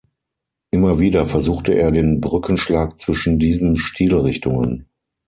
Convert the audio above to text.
Immer wieder versuchte er den Brückenschlag zwischen diesen Stilrichtungen.